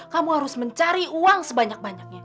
kamu harus mencari uang sebanyak banyaknya